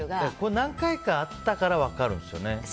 何回かあったから分かるんですよね。